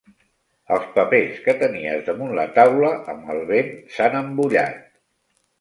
Els papers que tenies damunt la taula, amb el vent, s'han embullat.